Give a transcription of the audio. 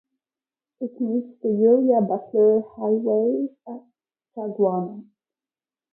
It meets the Uriah Butler Highway at Chaguanas.